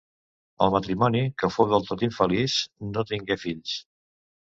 El matrimoni, que fou del tot infeliç, no tingué fills.